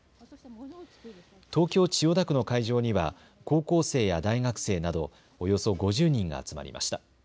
東京千代田区の会場には高校生や大学生などおよそ５０人が集まりました。